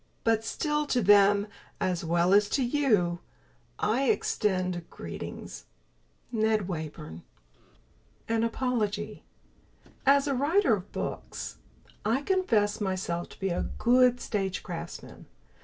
But still, to them, as well as to you, I extend Greetings! NED WAYBURN [Illustration: NW] An Apology As a writer of books, I confess myself to be a good stage craftsman.